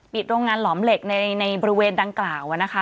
โรงงานหลอมเหล็กในบริเวณดังกล่าวนะคะ